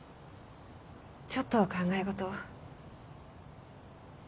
ちょっと考え事を。